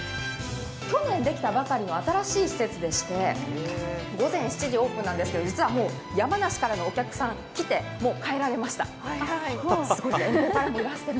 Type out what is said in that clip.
去年できたばかりの新しい施設でして午前７時オープンなんですけど、実はもう山梨からのお客さんが来て、もう帰られました。